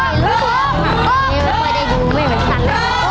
ยังไม่ได้ดูไม่เหมือนฉันเลย